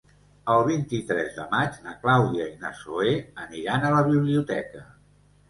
El vint-i-tres de maig na Clàudia i na Zoè aniran a la biblioteca.